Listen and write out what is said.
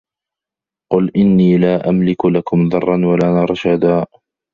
قُل إِنّي لا أَملِكُ لَكُم ضَرًّا وَلا رَشَدًا